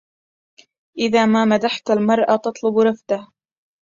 إذا ما مدحت المرء تطلب رفده